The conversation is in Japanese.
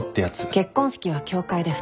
結婚式は教会で２人だけで。